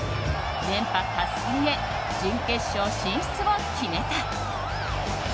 連覇達成へ準決勝進出を決めた。